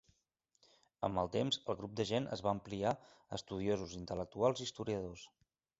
Amb el temps el grup de gent es va ampliar a estudiosos, intel·lectuals i historiadors.